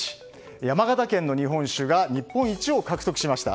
山形県の日本酒が日本一を獲得しました。